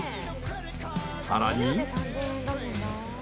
［さらに］